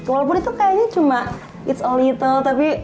walaupun itu kayaknya cuma it s a little tapi